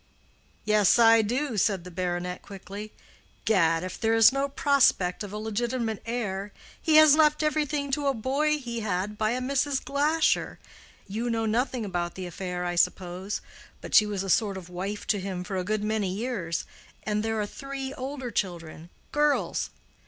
"Yes, I do," said the baronet, quickly. "Gad! if there is no prospect of a legitimate heir, he has left everything to a boy he had by a Mrs. Glasher; you know nothing about the affair, I suppose, but she was a sort of wife to him for a good many years, and there are three older children—girls.